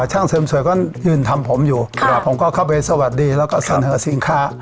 ช่างเสริมสวยก็ยืนทำผมอยู่ผมก็เข้าไปสวัสดีแล้วก็เสนอสินค้า